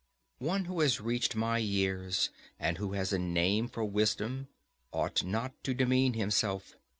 One who has reached my years, and who has a name for wisdom, ought not to demean himself.